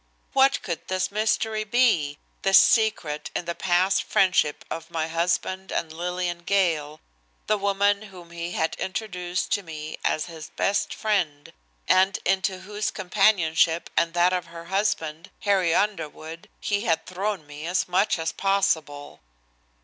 What could this mystery be, this secret in the past friendship of my husband and Lillian Gale, the woman whom he had introduced to me as his best friend, and into whose companionship and that of her husband, Harry Underwood, he had thrown me as much as possible.